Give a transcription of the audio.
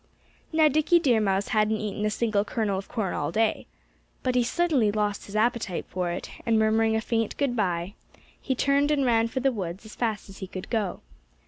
Now, Dickie Deer Mouse hadn't eaten a single kernel of corn all that day. But he suddenly lost his appetite for it; and murmuring a faint good bye he turned and ran for the woods as fast as he could go.